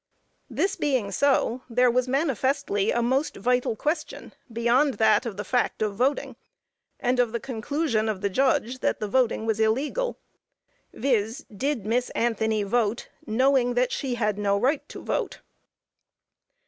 This being so, there was manifestly a most vital question beyond that of the fact of voting, and of the conclusion of the judge that the voting was illegal, viz., did Miss Anthony vote, knowing that she had no right to vote.